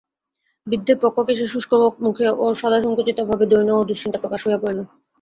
বৃদ্ধের পক্ককেশে শুষ্কমুখে এবং সদাসংকুচিত ভাবে দৈন্য এবং দুশ্চিন্তা প্রকাশ হইয়া পড়িল।